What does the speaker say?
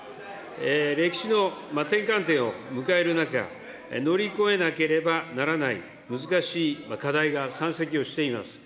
歴史の転換点を迎える中、乗り越えなければならない難しい課題が山積をしています。